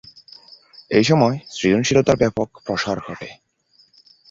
এই সময়ে সৃজনশীলতার ব্যাপক প্রসার ঘটে।